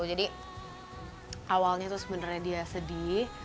jadi awalnya itu sebenarnya dia sedih